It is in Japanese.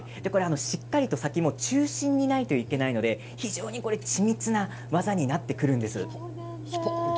しっかりと先を中心にないといけないので非常に、ち密な技になってくるんです。